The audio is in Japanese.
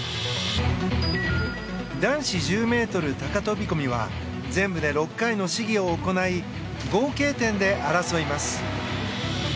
男子１０ｍ高飛込は全部で６回の試技を行い合計点で争います。